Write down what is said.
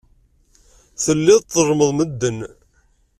Telliḍ tḍellmeḍ medden.